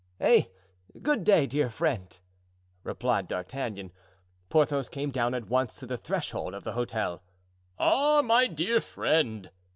"Eh! good day, dear friend!" replied D'Artagnan. Porthos came down at once to the threshold of the hotel. "Ah, my dear friend!"